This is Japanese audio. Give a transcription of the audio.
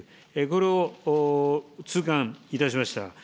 これを痛感いたしました。